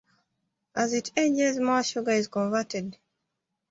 As it ages more sugar is converted.